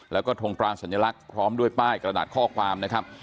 แล้วก็ทงกลางสัญลักษณ์พร้อมด้วยป้ายกระดาษข้อความนะครับ